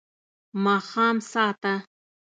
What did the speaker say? ماښام ساه ته